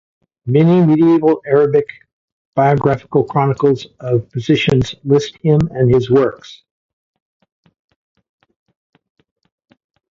Many medieval Arabic biographical chronicles of physicians list him and his works.